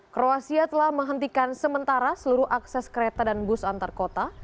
kroasia telah menghentikan sementara seluruh akses kereta dan bus antar kota